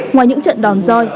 ngoài những trận đòn roi